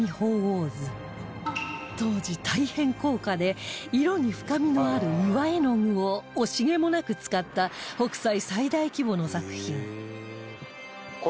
当時大変高価で色に深みのある岩絵具を惜しげもなく使った北斎最大規模の作品